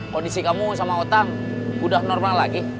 kondisi kamu sama otak udah normal lagi